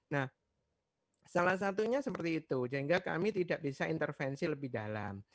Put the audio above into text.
nah salah satunya seperti itu sehingga kami tidak bisa intervensi lebih dalam